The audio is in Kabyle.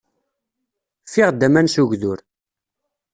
Ffiɣ-d aman s ugdur.